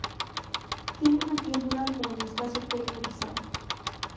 Tiene una piel dura con escaso pelo erizado.